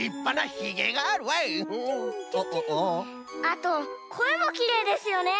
あとこえもきれいですよね。